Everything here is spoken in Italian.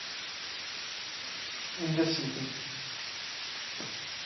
In the City